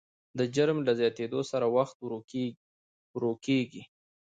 د جرم له زیاتېدو سره وخت ورو کېږي.